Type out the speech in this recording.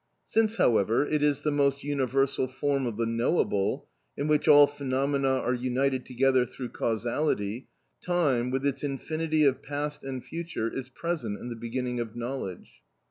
Since, however, it is the most universal form of the knowable, in which all phenomena are united together through causality, time, with its infinity of past and future, is present in the beginning of knowledge.